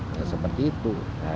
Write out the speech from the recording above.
ya seperti itu